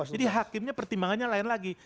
jadi hakimnya pertimbangannya lain lagi